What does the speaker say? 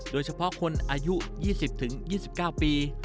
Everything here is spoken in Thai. โดยเฉพาะคนอายุ๒๐๒๙ปี